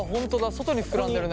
外に膨らんでるね。